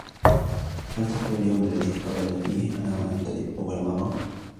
هل تذكر اليوم الذي تقابلنا فيه أنا وأنت أول مرة ؟